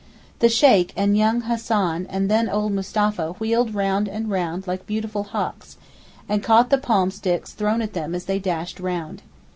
The Sheykh and young Hassan and then old Mustapha wheeled round and round like beautiful hawks, and caught the palm sticks thrown at them as they dashed round.